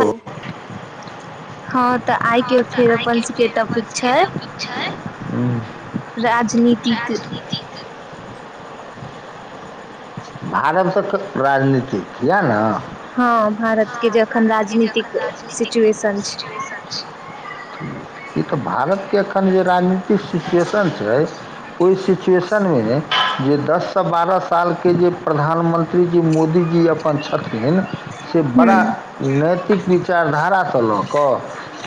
हन हँ तऽ आइ के फेर अपन सब केे टॉपिक छै उंह राजनीतिक मारब सभके राजनीतिक यएह न हँ भारत के जखन राज नीतिक सिचुएशन छै ई तऽ भारतके एखन जे राजनी तिक सिचुएशन छै ओहि सिचुएशन शन में जे दससँ बारह सालके जे प्रधानमन्त्री जी मोदीजी अपन छथिन से बड़ा ह नैतिक विचारधार लऽ कऽ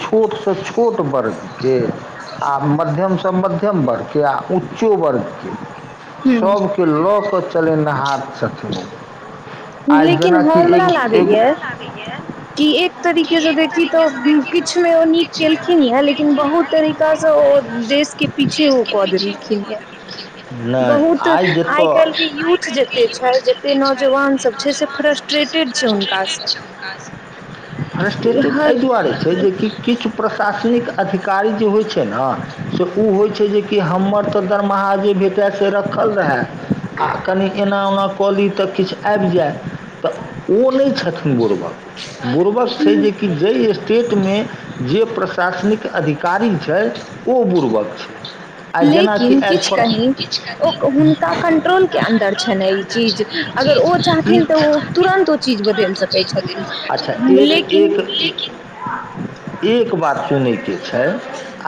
छोट छोट वर्गके आ मध्यम सँ मध्यम वर्गके आ उच्चो वर्गके ह सभके लऽ कऽ चलेनहार छथिन ओ लेकिन हमरा एगो लागैयै कि एक तरीके से देखी तऽ किछ मे ओ नीक केलखिन यै लेकिन बहुत तरीका से ओ देश के पीछे ओ कऽ देलखिन यै नहि बहुत आइ कायल जतऽ के यूथ जते छैथ जते नौजवान सब छै से फ्रस्ट्रेटेड छै हुनका से ई फ्रस्ट्रेटेड हर एहि दुआरे छै जेकि किछु प्रशासनिक अधिकारी जे होइ छै न से ओ होइ छै जे कि हमर त दरमाहा जे भेटए से रखल रहय आ कनि एना ओना कऽ ली तऽ किछु आबि जाइ त ओ नहि छथिन बुरबक बुरबक छै जेकि जइ स्टेट मे जे प्रशासनिक अधिकारी छै ओ बुरबक छै आइ जेनाकि लेकिन एज किछु फॉर कही ओ हुनका कंट्रोलकेँ अन्दर छनि ने ई चीज अगर ओ चाहथिन तऽ ओ तुरन्त ओ चीज बदलि सकैत अच्छा छथिन एक लेकिन एक एक बात सुनैके छै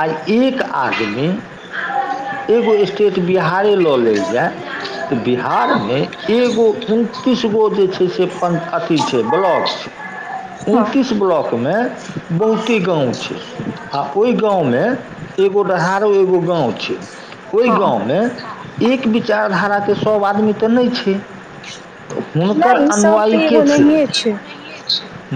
आय एक आदमी एगो स्टेट बिहारे लऽ लेल जाय तऽ बिहारमे एगो उनतीस गो जे छै से अथी छै ब्लौक छै हँ उनतीस ब्लौकमे बहुत की गाँव छै आ ओहि गाँवमे एगो वरहारो एगो गाँव छै ओहि हँ गाँवमे एक विचारधाराकेँ सभ आदमी तऽ नहि छै हुनकर नहि सभ अनुयायी तऽ के एगो नहिए छै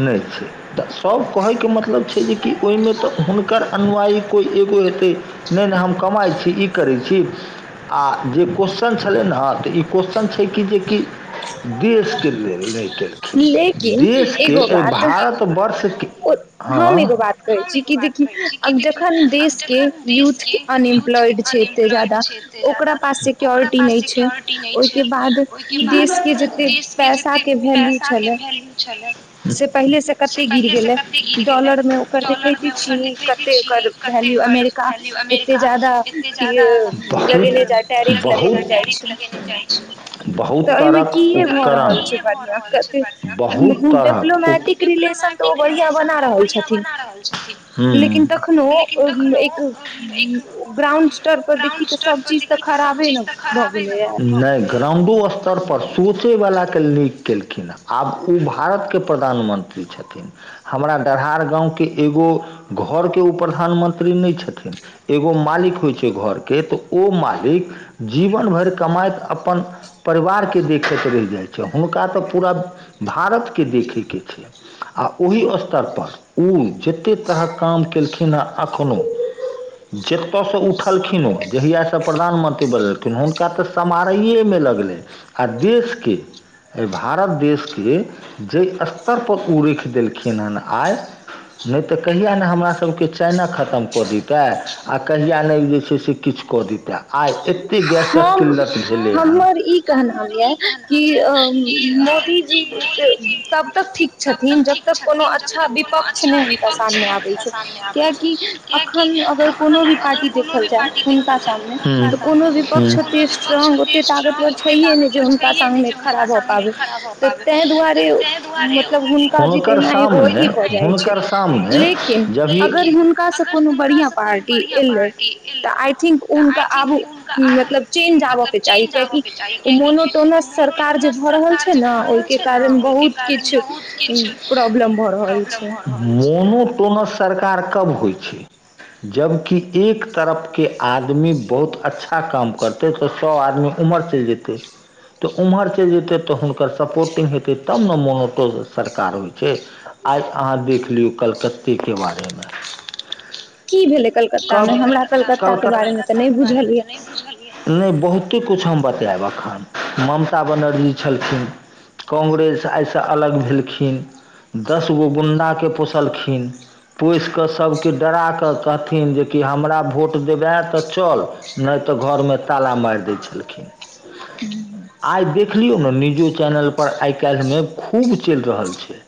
नहि छै तऽ सब कहैय केँ मतलब छै जे कि ओहिमे तऽ हुन कर अनुआयी कोइ एगो हेतै नहि नहि हम कमाइ छी ई करै छी आ जे क्वेश्चन छलै न तऽ ई क्वेश्चन छै कि जेकि देशकेँ लेल नहि केलखिन लेकिन देशकेँ एगो एहि बात भारत वर्ष केँ ओ हम हँ एगो बात कहै हम छी एगो कि बात देखि कहैत छी कि देखि जखन देश के जखन यूथ के देशकेँ यूथ अनएम्प्लॉयड छै एते अनएम्प्लॉयड जादा छै एते ओकरा ज्यादा पास ओकरा सिक्योरिटी पास नहि छै सिक्योरिटी नहि ओहिके छै बाद ओहिके बाद देश के जते देशकेँ पैसा जते के वैल्यू पैसा केँ छलै वैल्यू छलै से पहिले से कते गिर पहिलेसँ गेलै डॉलर मे ओकर देखैते डॉलरमे छी ओकरकेँ कते देखैछी ओकर कते वैल्यू ओकर अमेरिका वैल्यू एते अमेरिकाक जादा एतेक ज्यादा लगेने जा लगेने जाइ टैरिफ छै लेगेने जाइ छै बहुत तऽ एहिमे तरहक किए भऽ उपकरण रहल छै भऽ बढ़िआँ रहल कते छै बहुत तरहक डिप्लोमेटिक [unintelligible] बढ़ियां बना रहल बढ़ियां छथिन बना रहल लेकिन तखनो छथिन लेकीन एक तखनो एक ग्राउंड स्तर पर देखी ग्राउंड तऽ स्तर सब पर चीज देखि तऽ सभ खराबे चीज ने तऽ भऽ खराबे ने गेलैए भेलै, नई ग्राउंडो स्तर पर सोंचैय वला केँ नीक केलखिन आब ओ भारतकेँ प्रधानमंत्री छथिन हमरा कहार गाँवकेँ एगो घरके ओ प्रधानमंत्री नहि छथिन एगो मालिक होइ छै घरकेँ तऽ ओ मालिक जीवन भरि कमाइत अपन परिवार केँ देखैत रहि जाइत छै हुनका तऽ पूरा भारतकेँ देखै के छै आ ओहि स्त स्तर पर ऊ जेतै तरहक काम केलखिन हेँ अखनो जेतए सँ उठ छलखिन ओ जहियासँ प्रधानमंत्री बनलखिन हुनका तऽ सम्हारहिएमे लगलै आ देशकेँ अहि भारत देशकेँ जाहि स्तर पर ओ रखि देलखिन हन आय नहि तऽ कहिया ने हमरा सभकेँ चाइना खतम कऽ दिते आ कहिया नै जे छै से किछ कऽ दिते आय एत्ते हम हमर ई कहनाम यऽ कि अ मोदीजी तब तक ठीक छथिन जब तक कोनो अच्छा विपक्ष नहि हुनका सामने आबैत छै कियाकि अखन अगर कोनो भी पार्टी देखल जाय हुनका सामने तऽ कोनो भी विपक्ष ओते स्ट्रोंग ओते ताकतवर छैेए नै जे हुनका सामनेे खड़ा भऽ पाबै तऽ तैं दुआरे मतलब हुनका जिते हुनकर एगो सामने अथी भऽ जाइत छै लेकिन अगर ई हुनकासँ कोनो बढ़ीयां पार्टी एलै तऽ आइ थिंक हुनका आब मतलब चेंज आबय के चाही कियाकि मोनोटोनस सरकार जे भऽ रहल छै न ओहिके कारण बहुत किछु प्रॉब्लम भऽ रहल छै टोनस सरकार कब होइत छै जबकि एक तरफ केँ आदमी बहुत अच्छा काम करतै तऽ सभ आदमी उम्हर चलि जेतए तऽ उम्हर चलि जेतए तऽ हुनकर सपोर्ट नै हेतैक तब न मोनोटोस सरकार होइत आइ अहाँ देख लीय कल्कत्ते केँ बारे मे की भेलै कलकत्ता कब मे हमरा कलकत्ता के कल बारे मे तऽ नहि बुझल ये नई बहुते कुछ हम बता [unintelligible] ब एखन ममता बनर्जी छलखिन कांग्रेस आइसँ अलग भेलखिन दस गो गुन्डाकेँ पोसल-खिन पोस कऽ सबकेँ डरा कऽ छतीन जेकि हमरा भोट देबय तऽ चल नहि तऽ घरमे ताला मारि दैत छलखिन आइ देख लियौ ने न्यूजो चैनल पर आइ काल्हिमे खूब चलि रहल छैक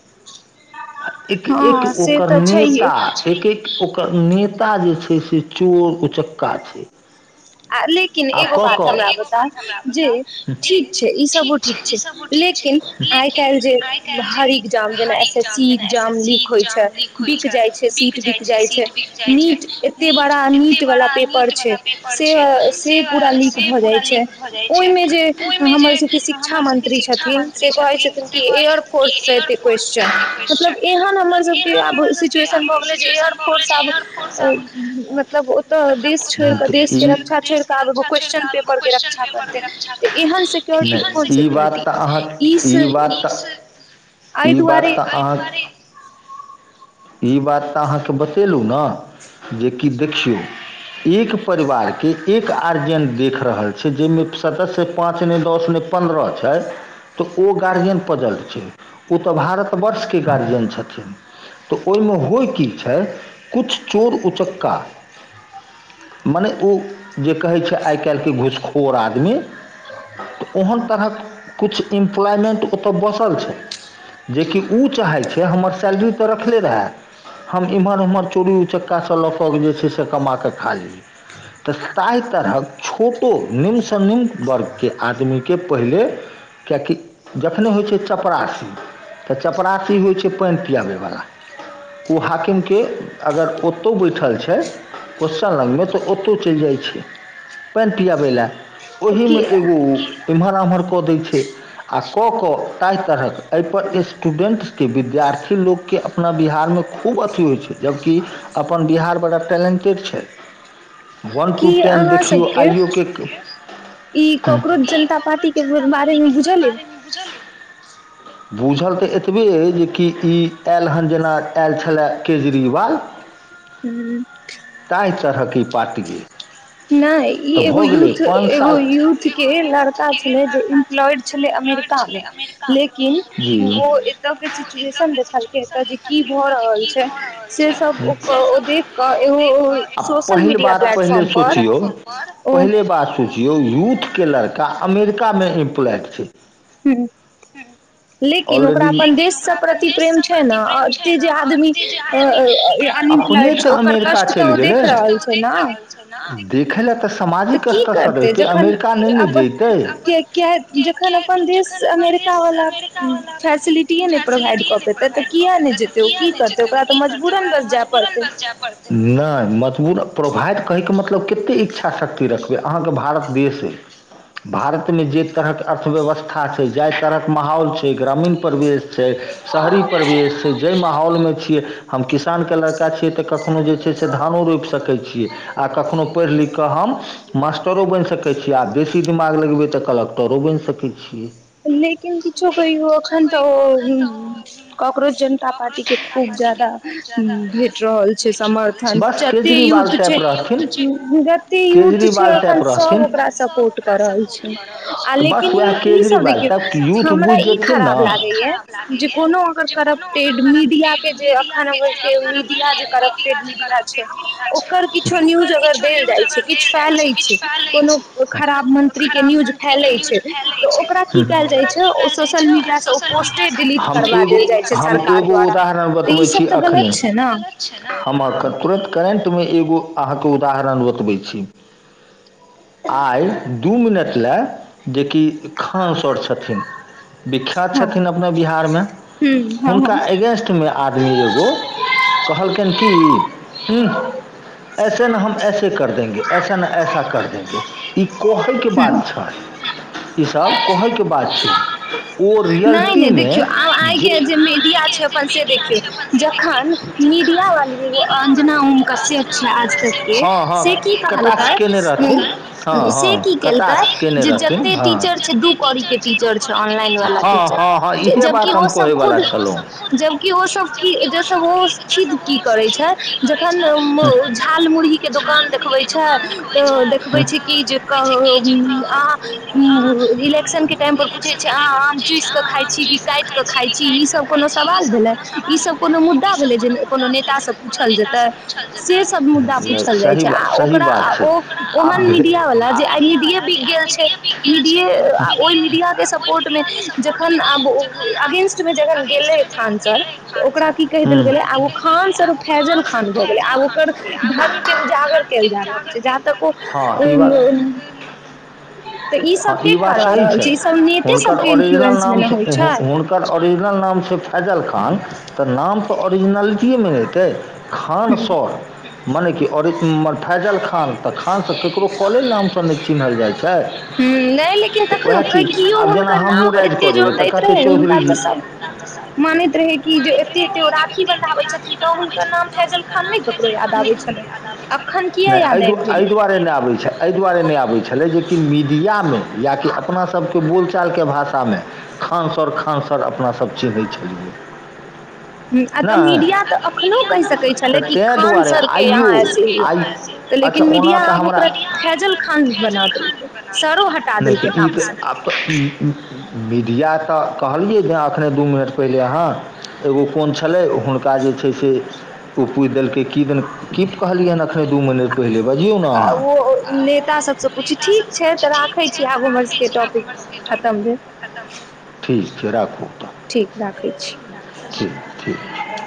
एक एक हँ से ओकर तऽ नेता छैहे छै एक एक ओकर ने [inaudible] नेता जे छै से चोर उचक्का छैक आ लेकिन एगो बात हमरा बताउ जे कऽ ठीक छै इसभो ठीक छै लेकिन आइ काल्हि जे हर एग्जाम जेना S S C exam leak होइत छैक बिक जाइत छैक सीट बिक जाइत छैक नीट एते बड़ा नीट वाला पेपर छैक से से पूरा लीक भऽ जाइत छैक ओहिमे जे हमर सभकेँ शिक्षा मंत्री छथिन से कहैत छथिन कि एयर फोर्स से एतय क्वेेश्चन मतलब एहन हमर सभकेँ आब सिचुएशन भऽ गेलय जे एयर फोर्स आब ऐ मतलब ओतऽ देश छोड़ कऽ देश केँ रक्षा छोड़ क आब ओ क्वेशचन पेपर केँ रक्षा करतय तऽ एहन सिक्योरिटी कोन बात सिक्योरिटी तऽ अहाँ इस ई बात तऽ आइ दुआरे अहाँ ई बात तऽ अहाँके बतेलहुँ न जेकि देखियौ एक परिवार केँ एक गार्जियन देख रहल छैक जाहिमे सदस्य पाँच नहि दस नहि पन्द्रह छैक तऽ ओ गार्जियन पजल छैक ओ तऽ भारत तऽ वर्ष केँ गार्जियन छथिन तऽ ओहिमे होइत की छैक कुछ चोर उचक्का मनें ओ जे कहैत छैक आइकाल्हि केँ घुसखोर आदमी तऽ ओहन तरहक किछु एम्प्लॉयमेन्ट ओतऽ बसल छैक जेकि ओ चाहैत छैक हमर सैलरी तऽ रखले रहय हम एम्हर उम्हर चोरो चक्काँ लऽ क जे छै से कमा कऽ खा लियै तऽ ताहि तरहक छोटो निम्नसँ निम्न वर्गकेँ आदमीकेँ पहिले कियाकि जखने होइत छैक चपरासी तऽ चपरासी होइत छैक पानि पियाबैवला ओ हाकिम केँ अगर ओतहु बैठल छैक क्वेशन लगमे तऽ ओतौ चलि जाइत छैक पानि पिआबै लए ओही मे कि एगो एम्हर ओम्हर कऽ दैत छैक आ सक कऽ ताहि तरहक एहिपर स्टूडेन्ट्सकेँ विद्यार्थी लोककेँ अपना बिहारमे खूब अथी होइत छैक जबकि अपन बिहार बड़ा टैलेन्टेड छैक की अहाँ सबकेँ ई कॉकरोच जनता पार्टी केँ बारेमे बुझल अछि बूझल तऽ एतबे अइ जेकि ई आयल हन जेना आयल छलय केजरीवाल हमम् [inaudible] कए तरहकेँ ई पार्टी अछि नहि ई एगो यू एगो यूथ पाँच केँ एगो साल यूथ केँ लड़का छलैक जे एम्प्लॉयड छलैक अमेरिका मे लेकिन कि जी ओ एतऽके सिचुएशन देखलकै एतऽ जे की भऽ रहल छै से सब ओ देख कऽ एहो ओहो सोशल मिडिया प्लेटफॉर्म पर सोचियो ओ पहिले बात सोचियौ यूथ के लड़का अमेरिका में इम्प्लॉइड छै ह्म लेकिन ओकरा ऑलरेडी अपन देशसँ प्रति प्रेम छै ने आ एते जे आदमी अपने अनइम्प्लॉयड छै तऽ ओकर अमेरिका कष्ट तऽ ओ देख रहल छै न ह देखै लऽ तऽ तऽ सामाजिक की स्तरसँ करतै रहितै जखन अमेरिका नहि ने अपन जैतै के किय जखन अपन देश अमेरिका सर वाला अमेरिका बाला फैसिलिटीए नहि प्रोवाइड फेशलिटिये कऽ नहि पेतै तऽ प्रोवाइड कऽ किया नहि पैतै तऽ जेतै ओ कियै की ने करतै जैते ओकरा तऽ कि करतैय मजबूरन ओकरा बस तऽ जाय मजबूरन पड़तै बस जाइ परतै नै मजबूरन प्रोवाइड कहै के मतलब तऽ कते इच्छाशक्ति रखबै अहा के भारत देश अइ भारत में जे तरहके अर्थव्यवस्था छै जाइ तरह माहौल छै ग्रामीण परिवेश छै शहरी परिवेश छै जाहि माहौलमे छियै हम किसानके लड़का छियै तऽ कखनो जे छै से धानो रोपि सकै छियै आ कखनो पढ़ि लिख कऽ हम मास्टरो बनि सकै छियै आ बेसी दिमाग लगबै तऽ कलक्टरो बनि सकै छियै लेकिन किछो कहियौ अखन तऽ ओ कॉकरोच जनता पार्टीके खूब जादा भेट रहल छै समर्थन बस जते केजरीवाल यूथ टाइप छै रहथिन जते यूथ छै केजरीवाल अखन टाइप सब रहथिन ओकरा सपोर्ट कऽ रहल छै आ तऽ बस लेकिन उएह ई ई केजरीवाल टाइप यूथ हमरा बुझि ई जेथिन ने खराब लागैयै जे कोनो अगर करप्टेड मीडिया के जे अखन आबै जे मीडिया जे करप्टेड मीडिया छै ओकर किछो न्यूज अगर देल जाइ छै किछु फैलै छै कोनो खराब मन्त्रीके न्यूज फैलै छै तऽ ओकरा कि कयल जाइ ओकरा छै कि ओ कयल जाय सोशल छै मीडिया से ओ सोशल मिडिया पोस्टे से उ डिलीट एकाउन्टे करबा डिलिट कऽ देल जाइ जाय छै हम एगो हम सरकार एगो द्वारा उदरण तऽ ई बतबै छी सब तऽ अखने गलत ई छै सब तऽ ने गलत छै न हम एखन तुरत करेंट एगो अहाँके उदाहरण बतबै छी आइ दू मिनट लए जेकि खान सर छल छथिन विख्यात हँ हूँ छथिन अपना बिहारमे हँ हुनका हँ एगेन्स्टमे आदमी एगो कहलकैन कि ऐसे ने हम ऐसे कर देंगे ऐसा ने ऐसा कर देंगे ई कहैके हूँ बात छै ई सब कहै के बात छै नहि नहि देखियौ आब आइ के जे मिडिया छै अपन से देखियौ जखन मिडिया वाली एगो अंजना ओम कश्यप आज तक के हँ हँ से की कटाक्ष कहलकै केने रहथिन हँ से की हँ केलकै कटाक्ष केने जे रहथिन जते हँ टीचर छै दू कौड़ी के टीचर छै ऑनलाइन वाला हँ हँ हँ टीचर इहे जबकि बात ओ हम सब कहैवला खुद छलहुँ जबकि ओ सब कि जैस ओ की करै छै ज अखन झाल मुरही के दुकान देखबे छै तऽ देखबे छै कि जे कह अह इलेक्शन के टाइम पर पूछे छै अहाँ आम पीस कऽ खाइ छी कि काटि कऽ खाइ छी ई सब कोनो सवाल भेलै ई सब कोनो मुद्दा भेलै जे कोनो नेता सब पूछल जेतै सेसभ मुद्दा नहि पूछल जाइत छै आ ओकरा ओ आब ओहन भे आ मीडियावला जे आइ मीडियए बिक गेल छै मीडियए आ ओहि मीडियाके सपोर्टमे जखन आब अगेंस्ट मे जखन गेले खान सर त' ओकरा की कहि देल हूँ गेले आब ओ खान सर फैजल खान भ आब ओकर धर्मके उजागर कैल जा रहल छै जा तक ओ तऽ ई सब हँ के बात करबा सही रहल छै ई सब नेते हुनकर सबके ओरिजिनल इन्फ्लुएंस मे नाम ने होइ छै हुनकर ओरिजिनल नाम छै फैजल खान तऽ नाम तऽ ओरिजिनलिटिएमे एतै खान ह सर मने कि और फैजल खान तऽ खानसँ ककरो कले नामसँ नहि चिन्हल जाइ छथि हुं नै लेकिन तखनो कैकियो जेना हुनकर नाम हमहूँ पर राइज कऽ एते जोर देबै तऽ दैत कहतै रहे हुनका त चौधरीजी सब मानैत रहे कि जे एते एते राखी बना होइ छथिन तऽ हुनकर नाम फैजल खान नइ ओकरो याद आबै छलइ नै दुआरे नहि आबय छल एहि दुआरे नहि आबै छलै जे कि मीडियामे याकि अपना सबके बोल चालके भाषामे खान सर खान सर अपनासभ चिन्है छलिए हुं आ तऽ नहि मीडिया तऽ अखनो कहि सकै छलै तऽ कि खा ताहि खान दुआरे सर के आइयो यहाँ ऐसे आइ हुआ अच्छा लेकिन ओना मीडिया तऽ आब हमरा ओकरा फैजल खान बना देलैकए सरो हटा नहि देलै तऽ ई नाम स तऽ आब तऽ मीडिया तऽ कहलियै जे एखने दू मिनट पहिले अहाँ एगो कोन छलै हुनका जे छै से ओ पुछि देलकै कीदैन की कहलियै हन अखने दू महिने पहिले बजियौ ने आ ओ अहाँ नेता सभसँ पूछि ठीक छै तऽ राखै छी आब हमर सभके टॉपिक खतम भेल ठीक छै राखू राखै छी ठीक राखै छी ठीक छै